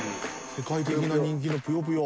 世界的な人気のぷよぷよ。